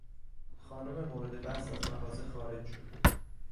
خانم مورد بحث از مغازه خارج شد.